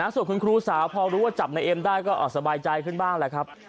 ส่วนคุณครูสาวพอรู้ว่าจับนายเอ็มได้ก็สบายใจขึ้นบ้างแหละครับ